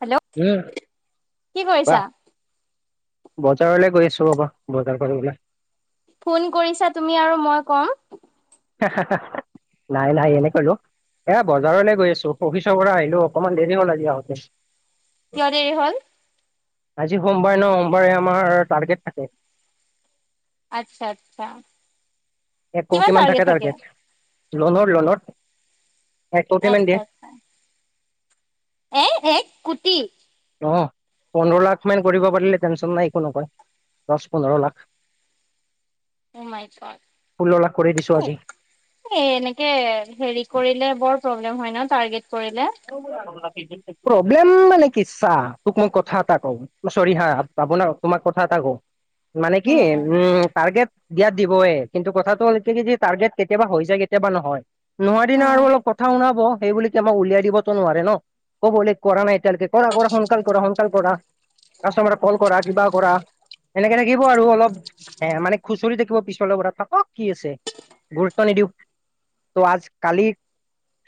Hello? উম। কি কৰিছা? বাহ বজাৰলৈ গৈ আছো ৰবা বজাৰ কৰিবলৈ। ফোন কৰিছা তুমি আৰু মই কম। নাই নাই এনে কলো। এ বজাৰলৈ গৈ আছো অফিচৰ পৰা আহিলো অকনমান দেৰি হ'ল আহোঁতে। কিয় দেৰি হল? আজি সোমবাৰ ন সোমবাৰে আমাৰ টাৰ্গেট থাকে। আচ্ছা আচ্ছা। এক কিমান কৌটিমান টাৰ্গেট থাকে টাৰ্গেট লোনৰ লোনৰ এক কৌটিমান আচ্ছা দিয়ে। আচ্ছা এ এক কুটি? অ', পোন্ধৰ লাখ মান কৰিব পাৰিলে টেনশচন নাই একো নকয়। দহ পোন্ধৰ লাখ অ' মাই গড ষোল্ল লাখ কৰি দিছো আজি। এ এনেকে হেৰি কৰিলে বৰ প্ৰব্লেম হয় ন টাৰ্গেট কৰিলে। প্ৰবলেম মানে কি চা তোক মই কথা এটা কওঁ। চৰি হা আপোনাৰ তোমাক কথা এটা কও মানে কি উম, টাৰগেট দিয়াত দিবয়ে কিন্তু কথাটো হ'ল কি যে টাৰ্গেট কেতিয়াবা হৈ যায় কেতিয়াবা নহয়। নোৱাৰাদিনা আৰু অলপ কথা শুনাব সেই বুলি তোমাক উলিয়াই দিবতো নোৱাৰে ন ক'ব লে কৰা নাই এতিয়ালৈকে কৰা কৰা সোনকাল কৰা সোনকাল কৰা কাষ্টমাৰ কল কৰা কিবা কৰা। সেনেকে থাকিব আৰু অলপ উম হে মানে খুচৰি থাকিব পিছফালৰ পৰা থাকক কি আছে গুৰুত্ব নিদিও। ত' আজি কালি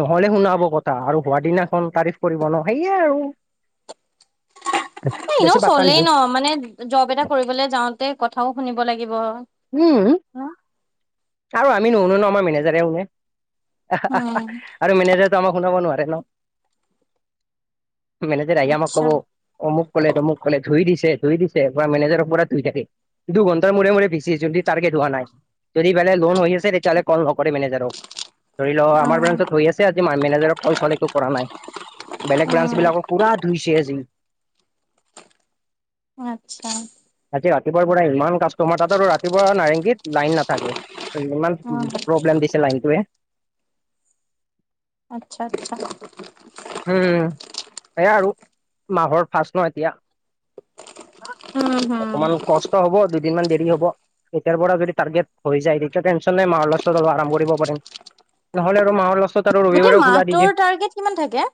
নহ'লে শুনাব কথা আৰু হোৱা দিনাখন তাৰিফ কৰিব ন সেয়ে আৰু। বেছি এনেও পাত্তা চলেই নিদিওঁ ন মানে জব এটা কৰিবলৈ যাওঁতে কথাও শুনিব লাগিব। উম। আৰু আমি নুশুনো ন' আমাৰ মেনেজাৰে শুনে উম আৰু মেনেজাৰ শুনাব নোৱাৰে ন মেনেজাৰ আহি আমাক কব আচ্ছা অমোক ক'লে তমোক ক'লে ধুই দিছে ধুই দিছে মেনেজাৰৰ পৰা ধুই থাকে। দুঘণ্ট মূৰে মূৰে ভীচি যদি টাৰৰ্গেট হোৱা নাই যদি বোলে লোন হৈ আছে তেতিয়হলে ক'ল নকৰে মেনেজাৰক ধৰি ল আমাৰ উম ব্ৰান্সত হৈ আছে আজি ম মেনেজাৰৰ কল চল একো কৰা নাই বেলেগ উম ব্ৰাঞ্চ বিলাকক পুৰা ধুইছে আজি। [inaudible] আচ্ছা। আজি ৰাতিপুৱাৰ পৰা ইমান কাষ্টমাৰ তাত আৰু ৰাতিপুৱা নাৰেংগীত লাইন নাথাকে ইমান উম প্ৰব্লেম দিছে লাইনটোৱে। আচ্ছা আচ্ছা। উম, সেয়াা আৰু মাহৰ ফাৰচ ন এতিয়া। উম হম অকমান কষ্ট হব, দুদিনমান দেৰি হ'ব। এতিয়াৰ পৰা যদি টাৰ্গেট হৈ যায়, তেতিয়া টেনচন নাই, মাহৰ লাষ্টত অলপ আৰাম কৰিব পাৰিম। নহ'লে আৰু মাহৰ লাষ্টত আৰু ৰবিবাৰে গোটেই খোলা দি দিয়ে মাহটোৰ টাৰ্গেট কিমান থাকে?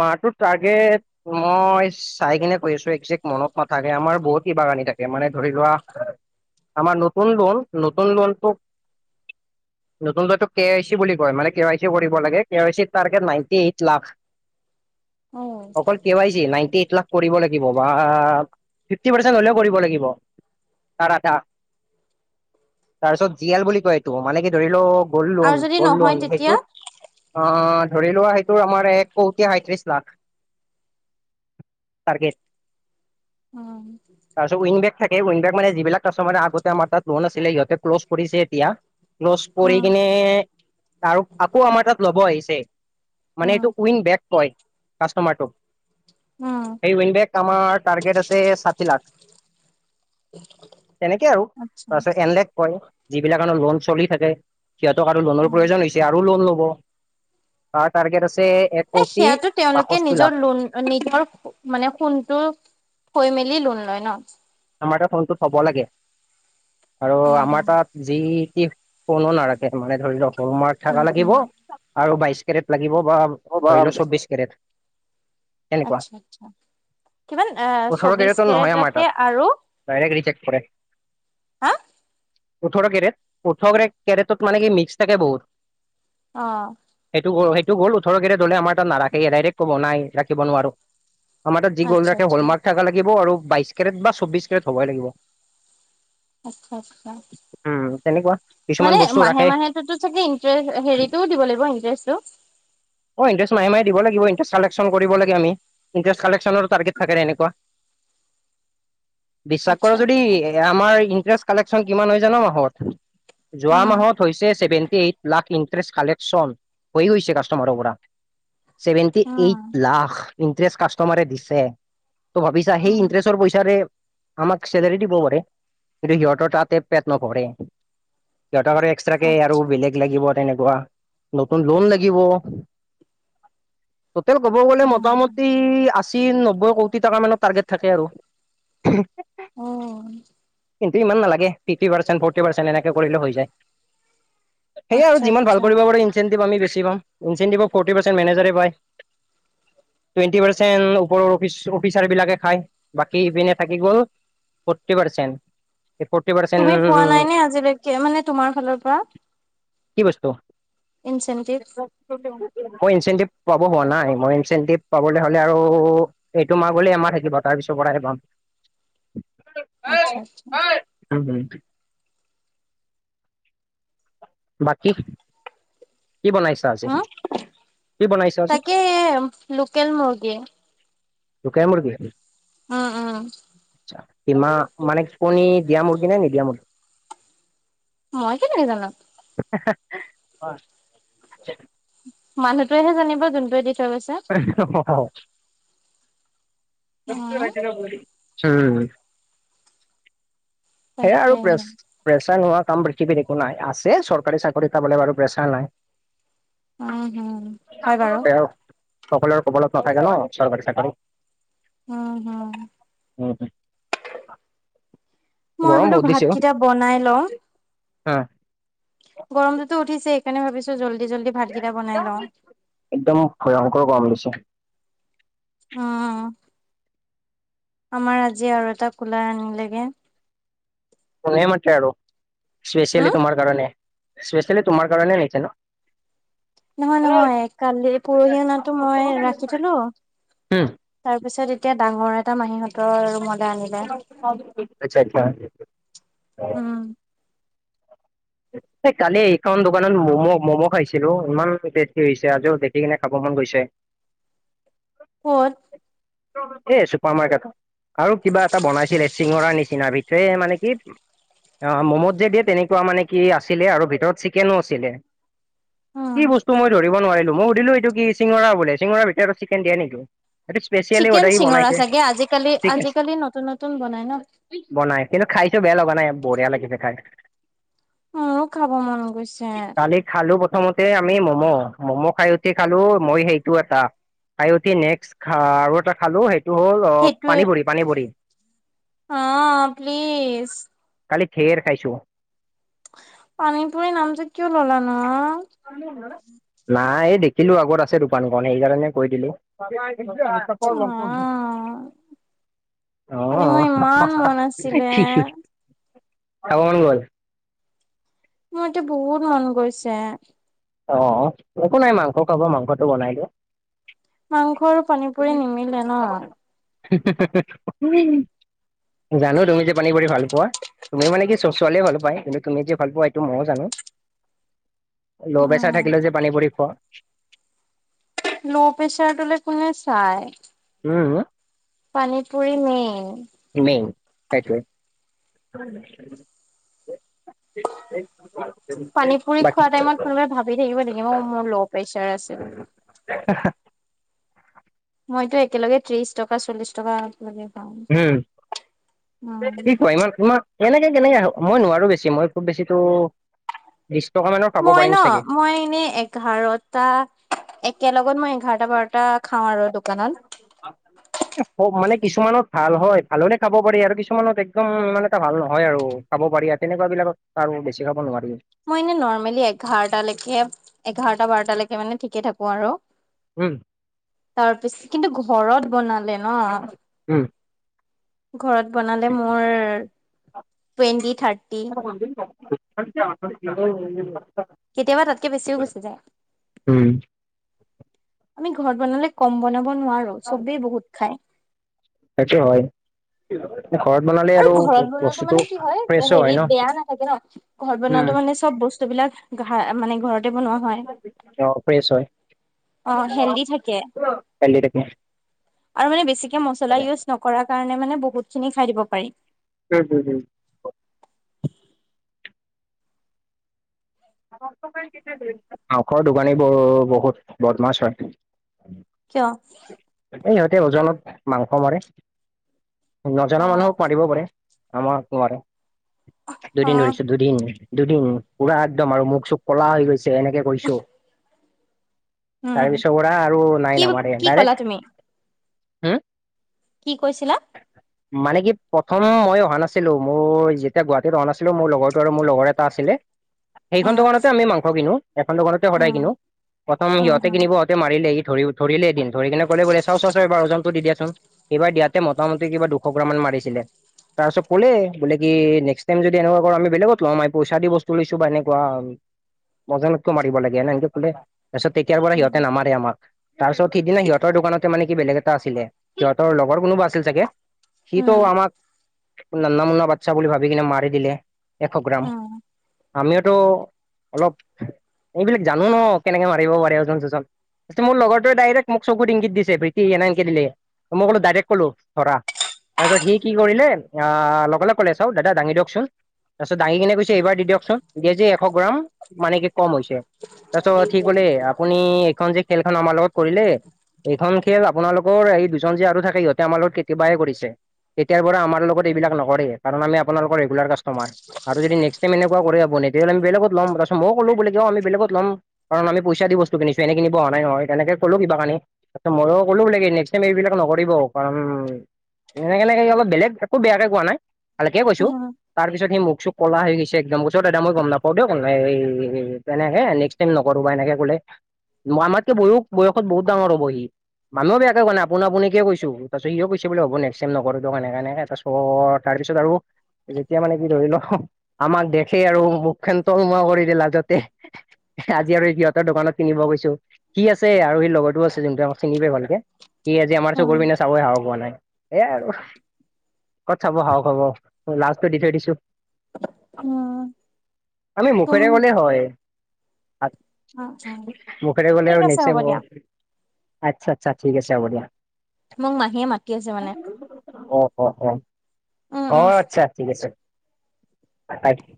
মাহটো টাৰ্গেট মই চাই কিনে কৈ আছোঁ, একজেক্ট মনত নাথাকে। আমাৰ বহুত কিবাগানি থাকে মানে ধৰি লোৱা আমাৰ নতুন লোন। নতুন লোনটো নতুন লোৱাটো কে আই চি বুলি কয় মানে কে আই চি কৰিব লাগে। কে ৱই চি তাৰ নাইটি এইট লাখ, উম, অকল কে আই চি এ নাইটি এইট লাখ। কৰিব লাগিব বা, ফিফটি পাৰ্চেণ্ট হ'লেও কৰিব লাগিব। তাৰ আধা তাৰপিছত জিয়েল বুলি কয় এইটো মানে কি ধৰি লওক গল্ড আৰু লোন যদি গল্ড নহয় লোন তেতিয়া সেইটোত ধৰি লোৱা, সেইটোৰ আমাৰ এক কোটি সাইত্ৰিশ লাখ। টাৰগেট। [inaudible] তাৰিছত উইংগেট থাকে, উইংগেট মানে যিবিলাক কাষ্টমাৰে আগতে আমাৰ তাত লোন আঁছিলে সিহঁতে ক্লছ কৰিছে এতিয়া। ক্লছ কৰি উম কিনে, তাৰ আকৌ আমাৰ তাত ল'ব আহিছে। মানে উম এইটোক উইন বেক কয় কাষ্টমাৰটোক। উম সেই উইনডেক আমাৰ টাৰ্গেট আছে ষাঠি লাখ। তেনেকে আৰু আচ্ছা তাৰিছত এনলেক কয়। যিবিলাক কাৰনৰ লোন চলি থাকে, সিহঁতক আৰু লোনৰ উম প্ৰয়োজন হৈছে আৰু লোন ল'ব। তাৰ টাৰ্গেট আছে এক এ কোটি সেয়াাতো তেওঁলোকে বাষষ্ঠি লাখ নিজৰ লোন নিজৰ মানে সোণটো থৈ মেলি লোন লয় ন? আমাৰ তাত শেনটো থ'ব লাগে। আৰু উম আমাৰ হম তাত যি শোনো নাৰখে। মানে, ধৰি লওক হলমাৰ্ক উম থকা লাগিব আৰু বাইস্কটত লাগিব বা ধৰি উম লোৱা চৌবিছ কেৰেট। তেনেকুৱা আচ্ছা আচ্ছা কিমান চৌবিশ কেৰেট ৰাখে আৰু। ডাইৰেটৰি ৰিজেক্ট কৰে। হা ওঠৰ কেৰেট। ওঠৰ কেৰেটত মানে কি মিক্স থাকে বহুত। অ'। সেইটো-সেইটো গ'ল ওঠৰ কেৰেট ধৰিলে, আমাৰ তাত নাৰাখে ডাইৰেক্ট বনাই ৰাখিব নোৱাৰো। আমাৰ তাত যি গল্ড আচ্ছা ৰাখে আচ্ছা হ'ল মাৰ্ক থাকা লাগিব, আৰু বাইছ কেৰেট বা চৌবিশ কেৰেট হ'বই লাগিব। আচ্ছা-আচ্ছা উম তেনেকুৱা কিছুমান মানে বস্তু ৰাখে মাহে-মাহে। চে ইাৰে হেৰিটোও দিব লাগিব ইন্টাৰেষ্টটো। অ', ইন্টাৰেষ্ট মাহে মাহে দিব লাগিব। ইন্টাৰেষ্ট কালেক্যন কৰিব লাগে আমি। ইণ্টাৰেষ্টা কালেকচনৰ টাৰ্গেট থাকে এনেুৱা। [inaudible] বিশ্বাস আচ্ছা কৰা যদি, আচ্ছা আমাৰ ইণ্টাৰেষ্ট কালেকচন কিমান হয় জানা মাহত যোৱা উম মাহত হৈছে ছেভেন্টি এইট লাখ ইন্টাৰেষ্টে কালেকচন। ছেভেন্টি উম এইট লাখ ইন্টাৰেষ্টে কাষ্টমাৰে দিছে। ত' ভাবিছা সেই উম ইন্টাৰেষ্টৰ পইচাৰে আমাক চেলাৰী দিব পাৰে। কিন্তু সিহঁতৰ তাতে পেট নভৰে সিহঁতৰ এক্সট্ৰাক কে আৰু আচ্ছা বেলেগ লাগিব তেনেকুৱা নতুন লোন লাগিব। ট'টেল ক'ব গ'লে উম মোটামুটি আশী নব্বৈ কোটি টকাামানৰ টাৰ্গেট থাকে আৰু। উম কিন্তু ইমান নালাগে ফিফটি পাৰ্চেণ্ ফৰ্টি পাৰ্চণ্ট এনেকে কৰিলে হৈ যায়। সেয়য়া আৰু আচ্ছা যিমান আচ্ছা ভাল কৰিব পাৰে ইনচেণ্টভি আমি বেছি পাম। ইনচেণ্টিভত ফৰ্টি পাৰ্চেণ্ট মেনেজাৰে পায়। টুৱেণ্টি পাৰ্চেণ্ট ওপৰৰ অফিচাৰ বিলাকে খাই। বাকী ইপিনে থাকি গ'ল ফ'ৰ্টি পাৰ্চেণ্ট। এই ফ'ৰ্টি পাৰ্চেণ্ট তুমি পোৱা নাই নে আজিলৈকে মানে তোমাৰ ফালৰ পৰা কি বস্তু ইনচেণ্টিভ মই ইনচেন্টিভ পাব হোৱা নাই মই ইনচেন্টিভ পাবলৈ হ'লে আৰু এইটো মাহ গলে এমাহ থাকিব তাৰ পিছৰ পৰা পাম। আচ্ছা আচ্ছা। উম উম। বাকী কি বনাইছা আজি হা কি বনাইছা আজি? তাকে লোকেল মুৰ্গী লোকেল মুৰ্গি। উম উম। কিমা মানে কণী দিয়া মুৰ্গী নে নিদিয়া মুৰ্গী? মই কেনেকে জানো। হয়। [unintelligible] মানুহটোৱেহে জানিব যোনটোয়ে দি থৈ গৈছে। [unintelligible] উম সেয়া আৰু প্ৰেছ তাকেহে প্ৰেছাৰ নোহোৱা কাম পৃথিৱীত একো নাই আছে চৰকাৰী চাকৰিটা পাবলে বাৰু প্ৰেছাৰ নাই। উম হুম হয় বাৰু। তেওঁ সকলোৰে কপালত নাথাকে ন চৰকাৰী চাকৰি। উম হম। উম মই গৰম বোলো বহুত দিছে অ'। ভাতকেইটা বনাই লওঁ উম। গৰমটোতো উঠিছে সেইকাৰণে ভাবিছো জল্দি জল্দি ভাতকেইটা বনাই লওঁ। একদম ভয়ংকৰ গৰম দিছে। উম আমাৰ আজি আৰু এটা কুলাৰ আনিলেগে। কোনে মাত্ৰ আৰু স্পেচিয়েলি উম তোমাৰ কাৰণে স্পেচিয়েলি তোমাৰ কাৰণে নিচে ন। [inaudible] নহয় নহয় কালি পৰহিনাটো মই ৰাখি থলো। উম, তাৰ পিছত এতিয়া ডাঙৰ এটা মাহীহঁতৰ ৰুমলৈ আনিলে। আচ্ছা আচ্ছা। উম। এই কালি এইখন দোকানত মম' ম'ম' খাইছিলো ইমান টেষ্টি হৈছে আজিও টে সেই কাৰণে খাবমন গৈছে। ক'ত। এ চোপাৰ মাৰকেটত। আৰু কিবা এটা বনাইছিলে চিঙৰাৰ নিচিনাৰ ভিতৰে মানে কি। অ', ম'মত যে দিয়ে তেনেকুৱা মানে আছিলে আৰু ভিতৰত চিকেনও আছিলে উম কি বস্ত মই ধৰিব নোৱাৰিলো মই সধিলো এইটো কি চিঙৰা বোলে চিঙৰাৰ ভিতৰত চিকেন দিয়ে নেকি? এইটো স্পেচিয়েলি চিকেন বোধহয় সি চিঙৰা বনাইছে চাগে আজিকালি চিকেন আজিকালি নতুন নতুন বনাই ন। বনাই কিন্তু খাইছো বেয়া লগা নাই বঢ়িয়া লাগিছে খাই। মোৰো খাব মন গৈছে। কালি খালো প্ৰথমতে আমি মম' ম'ম' খাই উঠি খালো মই সেইটো এটা। খাই উঠি নেক্সট খ আৰু এটা খালো সেই এইটো হ'ল সেইটোৱে পানী পুৰি পানী পুৰি। অ প্লিজ কালি ধেৰ খাইছোঁ। পানীপুৰি নাম যে কিয় ল'লা নো। নাই এই দেখিলো আগত আছে দোকানখন সেইকাৰণে কৈ দিলো। অ [unintelligible] কালি মোৰ ইমান মন আছিলে [unintelligible] মোৰ এতিয়া বহুত মন গৈছে। অ, অ, একো নাই মাংস খাব মাংসটো বনাই দিয়া। মাংস আৰু পানী পুৰি নিমিলে ন। জানো তুমি যে, পানী কৰি ভাল পোৱা। তুমি মানে কি ছোৱালী মানুহ পায় ভাল পোৱা কিন্তুি যে ভাল পোৱা এইটো মইো জানো। ল' প্ৰেচাৰ উম থাকিলে যে পানী পৰি খোৱা। ল' প্ৰেছাৰটোলে কোনে চাই। উম, পানীপৰি মেইন। মেইন সেইটোৱেই। [unintelligible] পানী পুৰি বাকী খোৱা টাইমত কোনোবে ভাবি থাকিব লোগিব ম মোৰ ল' প্ৰেচাৰ আছে বুলি। অা [unintelligible] মইতো একেলগে ত্ৰিশ টকা চল্লিশ টকাত মা উম, কি কোৱা ইমান খোৱা। এনেকে কেনেকে, মই নোৱাৰো বেছি মই খুব বেছি টো বিশ টকা মানৰ। মই ন মই এনে এঘাৰত তা, একেলগত মই এঘাৰটা বাৰটা খাওঁ আৰু দোকানত। মানে কিছুমানত ভাল হয় ভালনে খাব পাৰি আৰু কিছুমানত একদম মানে এটা ভাল নহয় আৰু। খাব পাৰি তেনেকুৱা বিলাকত আৰু বেছি খাব নোৱাৰি। মই এনে নৰ্মেলি এঘাৰটালৈকে, এঘাৰটা বাৰটালৈকে মানে ঠিকে থাকো আৰু। উম, তাৰ পিছত কিন্তু ঘৰত বনালে ন। উম ঘৰত বনালে মোৰ টুৱেন্টি থাৰ্টি। [unintelligible] কেতিয়াবা তাতে বেছিও গুচ যায়। উম, আমি ঘৰত বনালে কম বনাব নোৱাৰো চবেই বহুত খাই। সেইটো হয়। ঘৰত বনা আৰু ঘৰত বনোৱাটো মানে কি হয় হয় ন হেৰিত বেয়া নাথাকে ন ঘৰত বনোৱাটো মানে। চব বস্তুবিলাক ঘ, মানে ঘৰত অ, ফ্ৰেছ হয়, অ হেল্ডি থাকে কালি তাকে। আৰু মানে বেছিকে মছলা ইউজ নকৰ কাৰণে মানে বহুত খিনি খাই দিব পাৰিম। উম, উম, [inaudible] দোকানী ব বহুত বদমাচ হয়। কিয়? ইিহঁতে ওজনত মাংস মাৰে, অ নজনা মানুহক মাৰিব পাৰে। আমাৰ তোমাৰ অ দুদিন ধৰিছে দুদিন দুদিন পুৰা একদম আৰু মুখ চুখ কলা হৈ গৈছে এনেকে কৈছো। তাৰ উম পিছৰ পৰা আৰু নাই কি নামাৰে কি ক'লা ডাইৰেক্ট। তুমি হম, কি কৈছিলা? [inaudible] মানে কি প্ৰথম মই অহা নাছিলোঁ মোৰ যেতিয়া গুৱাহাটীত অহা নাছিলোঁ মোৰ লগৰটো আৰু মোৰ লগৰ এটা আছিলে। সেইখন উম দোকানতে আমি মাংস কিনো এখন দোকানতে সদায় কিনো উম প্ৰথম সিহঁতে কিনিব। মাৰিলে ই ধৰি ধৰিলে এদিন ধৰি কিনে ক'লে বোলে চাওঁ চাওঁ চাওঁ বাৰ জনটো দি দিয়াচোন। এইবাৰ দিয়াতে মোটামুটি কিবা দুশ গ্ৰাম মান মাৰিছিলে তাৰপিছত কলে বোলে কি নেক্সট টাইম যদি এনেকুৱা কৰা আমি বলেগত ল'ম পইচা দি বস্তু তুলিছো বা এনেকুৱা ব্ৰজেনক কিয় মাৰিব লাগে এনকে কলে তাৰপিছত তেতিয়াৰ পৰা সিহঁতে নামাৰে আমাক তাৰপিছত সিদিনা সিহঁতৰ দোকানতে মানে কি বেলেগ এটা আছিলে সিহঁতৰ লগৰ কোনোবা আছিল চাগে সিটো উম আমাক নান্না মুন্না বাচ্ছা বুলি ভাবি কিনে মাৰি দিলে এশ গ্ৰাম উম উম আমিওতো অলপ এইবিলাক জানো ন কেনেকে মাৰিব পাৰে ওজন চজন মোৰ লগৰটোৱে ডাইৰেক্ট মোক চকুুৰ ইংগত দিছে প্ৰী সকে দিল মই কলো ডাইৰেক্ট কলো ধৰা তাৰপিছত সি কি কৰিলে আহ লগ লগে কলে চাও দাদা দাঙি দিয়কচোন তাৰপাছত দাঙি কিনে কৈছে এইবাৰ দি দিয়ক। দিয়া পিছত এশ গ্ৰাম মানে কি কম হৈছে তাৰপিছত কলে আপুনি এইখন যে খেলখন আমাৰ লগত কৰিলে এইখন খেল আপোনালোকৰ এই দুজন যে আৰু থাকে সিহঁতে আমাৰ লগত কেতিয়াবাই কৰিছে তেতিয়াৰ পৰা আমাৰ লগত এইবিলাক নকৰে কাৰণ আমি আপোনালোকৰ ৰেগুলাৰ কাষ্টমাৰ আৰু যদি নেক্সট টাইম এনেকোৱা কৰে আপুনি তেনে আমি বেলেগত লম তাৰপিছত মইও কলো আমি বেলেগত লম কাৰণ আমি পইছা দি বস্তু কিনিছো এনে নিব অহা নাই নহয় তেনেকে কলো কিবা কিনি তাৰপিছত মইয়ো ক'লো বে নেক্সট টাইম এইবিলাক নকৰিব কাৰন সনে কেনেকে অলপ বেলেগ একো বেয়াকে কোৱা নাই ভালকে কৈছো উম তাৰ পিছত সি মোক চোখ কলা হৈ গৈছে একদম দাদ মই গম নাপাও এনেকে নেক্স টাইম নকৰো এনেকে কলে আমাত কৈ বয় বয়সত বহুত ডাঙৰ হ'ব সি মালোও বেয়াকে কোৱা নাই আপোনা আপুনি কৈচো তাৰপাছত সিও কৈছে হব নেক্সট টাইম নকৰোঁ দিওক অনেকে অনেকে তাৰপিছত আৰু যেতিয়া মানে কি ধৰি লও আমাক দেখেই আৰু মুখখন তলমুৱা কৰিলে লাজতে আজি আৰু সিহঁতৰ দোকানত কিনিব গৈছো সি আছে আৰু সি লগৰতো আছে যোনটো আমাক চিনি পায় ভালকে সি আজি আমাৰ উম চকুৰ পিনে চাবই সাহস পোৱা নাই। এয়াই আৰু ক'ত চাব সাওক হব লাজটো দি থৈ দিছো। উম আমি তুম মুখেৰে উম ক'লে হয়। উম মুখেৰে কলে ঠিক আছে হ'ব দিয়া আৰু আচ্ছা আচ্ছা ঠিক আছে হ'ব দিয়া। মোক মাহীয়ে মাতি আছে মানে অ', অ', উম উম আচ্ছা ঠিক আছে। [inaudible]